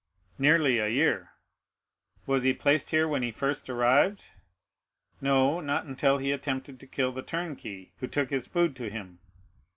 "Nearly a year." "Was he placed here when he first arrived?" "No; not until he attempted to kill the turnkey, who took his food to him."